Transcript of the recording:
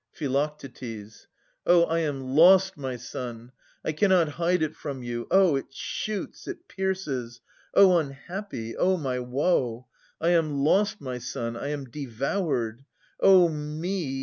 Phi. Oh ! I am lost, my son ! I cannot hide it from you. Oh ! it shoots, It pierces. Oh unhappy ! Oh ! my woe ! I am lost, my son, I am devoured. Oh me